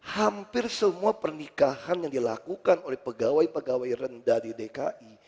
hampir semua pernikahan yang dilakukan oleh pegawai pegawai rendah di dki